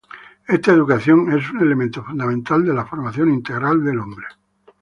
Esta educación es un elemento fundamental de la formación integral del hombre.